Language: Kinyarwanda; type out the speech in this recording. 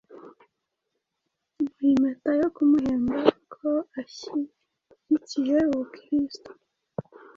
amuha impeta yo kumuhemba ko ashyigikiye ubukristu